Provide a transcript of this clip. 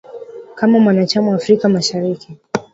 kama mwanachama wa afrika mashariki